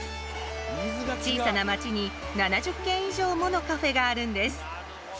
小さな町に７０軒以上ものカフェがあるんです。